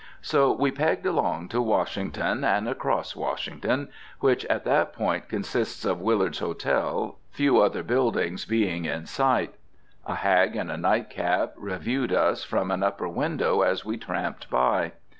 So we pegged along to Washington and across Washington, which at that point consists of Willard's Hotel, few other buildings being in sight. A hag in a nightcap reviewed us from an upper window as we tramped by.